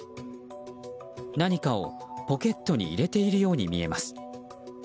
何かをポケットに入れているように見えます。